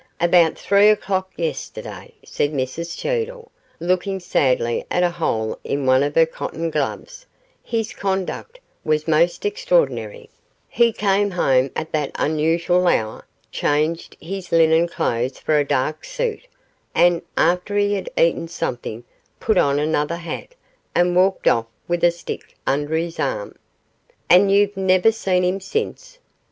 'About three o'clock yesterday,' said Mrs Cheedle, looking sadly at a hole in one of her cotton gloves; 'his conduct was most extraordinary; he came home at that unusual hour, changed his linen clothes for a dark suit, and, after he had eaten something, put on another hat, and walked off with a stick under his arm.' 'And you've never seen him since?